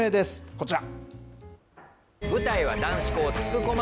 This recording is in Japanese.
こちら。